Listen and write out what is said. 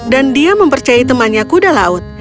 dan dia mempercayai temannya kuda laut